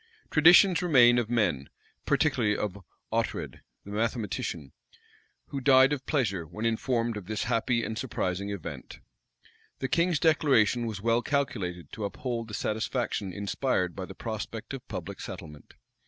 Traditions remain of men, particularly of Oughtred, the mathematician, who died of pleasure, when informed of this happy and surprising event. The King's declaration was well calculated to uphold the satisfaction inspired by the prospect of public settlement.